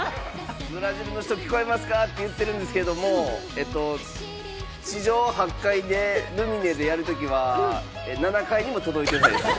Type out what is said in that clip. ブラジルの人、届いてますか！と言ってるんですが、地上８階で、ルミネでやるときは７階にも届いてないです。